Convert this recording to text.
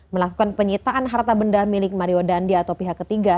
melakukan penyitaan harta benda milik mario dandi atau pihak ketiga